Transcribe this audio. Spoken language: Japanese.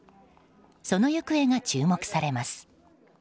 その行方が注目されます。